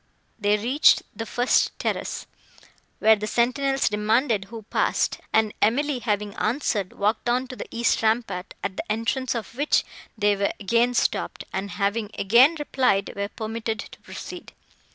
They reached the first terrace, where the sentinels demanded who passed; and Emily, having answered, walked on to the east rampart, at the entrance of which they were again stopped; and, having again replied, were permitted to proceed.